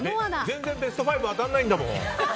全然ベスト５当たらないんだもん。